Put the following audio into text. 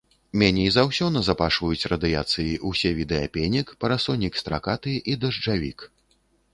Меней за ўсё назапашваюць радыяцыі ўсе віды апенек, парасонік стракаты і дажджавік.